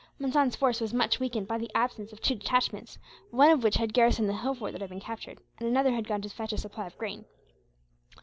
Monson's force was much weakened by the absence of two detachments, one of which had garrisoned the hill fort that had been captured, and another had gone to fetch a supply of grain.